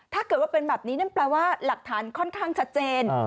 ถ้าเกิดว่าเป็นแบบนี้นั่นแปลว่าหลักฐานค่อนข้างชัดเจน